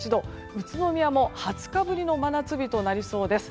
宇都宮も２０日ぶりの真夏日となりそうです。